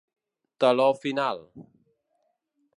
Teló final.